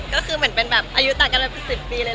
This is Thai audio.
ก็คือเหมือนเป็นแบบอายุต่างกันเลยเป็น๑๐ปีเลย